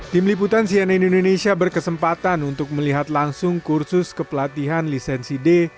tim liputan cnn indonesia berkesempatan untuk melihat langsung kursus kepelatihan lisensi d